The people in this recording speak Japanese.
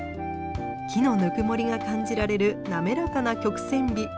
木のぬくもりが感じられる滑らかな曲線美。